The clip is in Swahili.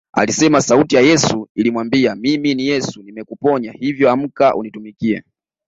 Alisema sauti ya Yesu ilimwambia Mimi ni Yesu nimekuponya hivyo amka unitumikie